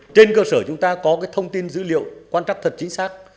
trên cơ sở chúng ta có thông tin dữ liệu quan trắc thật chính xác